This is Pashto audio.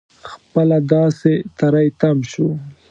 خپله داسې تری تم شول.